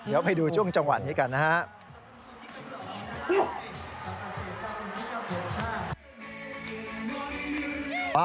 เดี๋ยวไปดูช่วงจังหวะนี้กันนะฮะ